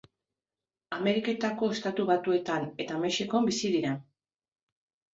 Ameriketako Estatu Batuetan eta Mexikon bizi dira.